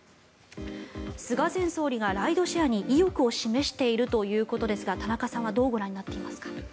菅前総理がライドシェアに意欲を示しているということですが田中さんはどうご覧になっていますか。